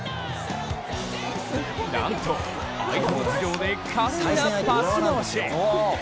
なんと、相手の頭上で華麗なパス回し。